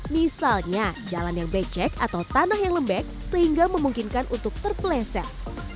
misalnya jalan yang becek atau tanah yang lembek sehingga memungkinkan untuk terpeleset